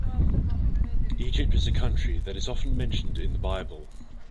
Egypt is a country that is often mentioned in the Bible.